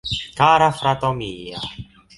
Kara frato mia..